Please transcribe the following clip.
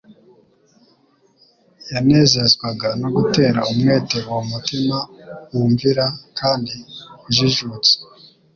Yanezezwaga no gutera umwete uwo mutima wumvira kandi ujijutse.